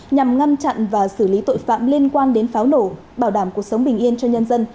nhằm ngăn chặn và xử lý tội phạm liên quan đến pháo nổ bảo đảm cuộc sống bình yên cho nhân dân